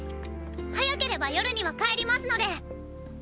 早ければ夜には帰りますのでーー。